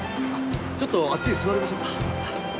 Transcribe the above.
ちょっとあっちに座りましょうか。